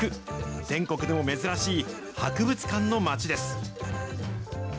全国でも珍しい博物館の街です。